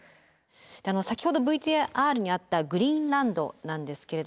先ほどＶＴＲにあったグリーンランドなんですけれども。